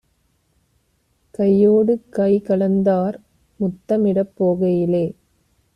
கையோடு கைகலந்தார்; முத்தமிடப் போகையிலே